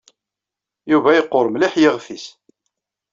Yuba yeqqur mliḥ yiɣef-nnes.